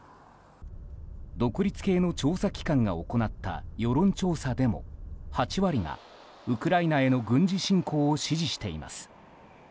独立系の調査機関が行った世論調査でも８割がウクライナへの軍事侵攻を支持しています。